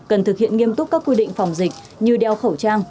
cần thực hiện nghiêm túc các quy định phòng dịch như đeo khẩu trang